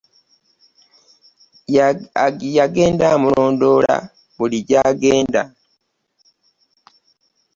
Yangenda amulondola buli gyagenda.